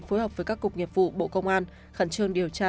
phối hợp với các cục nghiệp vụ bộ công an khẩn trương điều tra